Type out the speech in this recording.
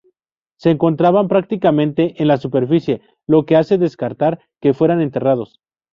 Se encontraban prácticamente en la superficie, lo que hace descartar que fueran enterrados.